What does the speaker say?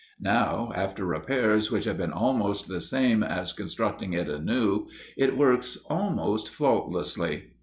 Now, after repairs which have been almost the same as constructing it anew, it works almost faultlessly.